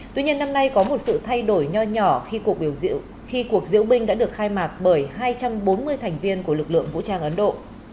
tuy nhiên năm nay có một sự thay đổi nhỏ nhỏ khi cuộc biểu khi cuộc diễu binh đã được khai mạc bởi hai trăm bốn mươi thành viên của lực lượng vũ trang ấn độ